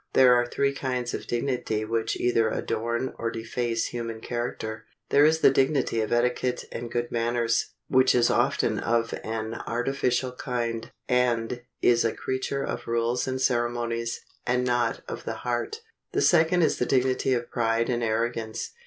There are three kinds of dignity which either adorn or deface human character. There is the dignity of etiquette and good manners, which is often of an artificial kind, and is a creature of rules and ceremonies, and not of the heart. The second is the dignity of pride and arrogance.